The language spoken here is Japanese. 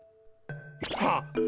はっ！